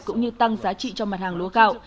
cũng như tăng giá trị cho mặt hàng lúa gạo